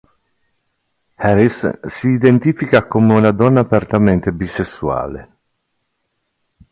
Harris si identifica come una donna apertamente bisessuale.